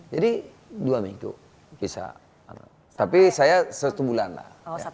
jadi dua minggu bisa tapi saya satu bulan lah